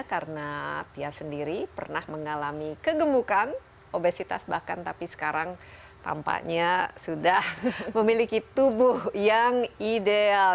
karena tia sendiri pernah mengalami kegemukan obesitas bahkan tapi sekarang tampaknya sudah memiliki tubuh yang ideal